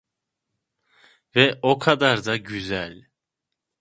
Ve o kadar da güzel…